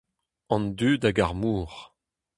An dud hag ar mor.